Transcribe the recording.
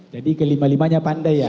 jadi kelima limanya pandai ya